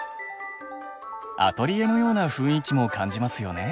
アトリエのような雰囲気も感じますよね。